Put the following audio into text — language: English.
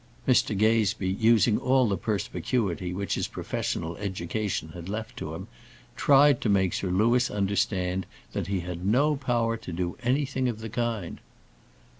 Mr Gazebee, using all the perspicuity which his professional education had left to him, tried to make Sir Louis understand that he had no power to do anything of the kind.